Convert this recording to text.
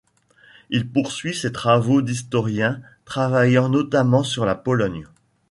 Il poursuit ses travaux d’historien, travaillant notamment sur la Pologne.